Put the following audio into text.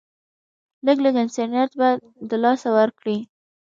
لږ لږ انسانيت به د لاسه ورکړي